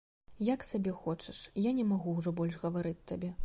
Як сабе хочаш, я не магу ўжо больш гаварыць табе.